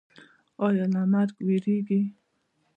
ایا له مرګ ویریږئ؟